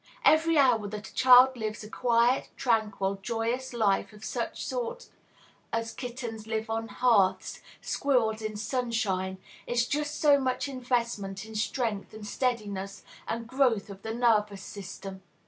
Every hour that a child lives a quiet, tranquil, joyous life of such sort as kittens live on hearths, squirrels in sunshine, is just so much investment in strength and steadiness and growth of the nervous system.